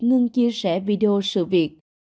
ngưng chia sẻ video sự việc